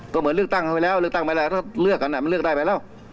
ก็เหมือนเลือกตั้งเข้าไปแล้วเลือกตั้งไปแล้วถ้าเลือกกันมันเลือกได้ไปแล้ว